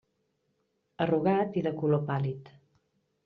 Arrugat i de color pàl·lid.